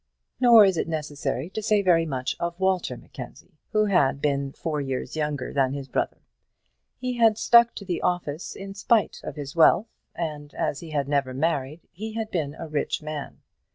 Nor is it necessary to say very much of Walter Mackenzie, who had been four years younger than his brother. He had stuck to the office in spite of his wealth; and as he had never married, he had been a rich man.